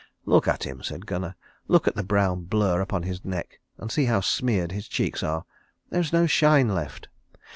"Look at him," said Gunnar. "Look at the brown blur upon his neck; and see how smeared his cheeks are. There is no shine left.